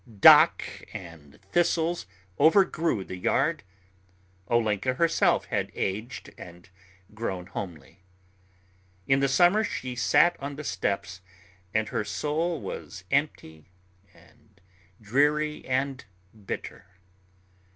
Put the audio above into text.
Dock and thistles overgrew the yard. Olenka herself had aged and grown homely. In the summer she sat on the steps, and her soul was empty and dreary and bitter.